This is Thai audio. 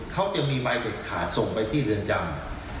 เขาจะมีใบเด็ดขาดส่งไปที่เรือนจำ